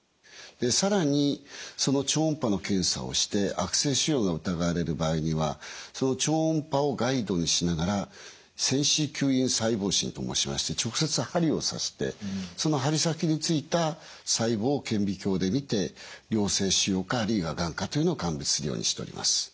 更にその超音波の検査をして悪性腫瘍が疑われる場合にはその超音波をガイドにしながら穿刺吸引細胞診と申しまして直接針を刺してその針先についた細胞を顕微鏡で見て良性腫瘍かあるいはがんかというのを鑑別するようにしております。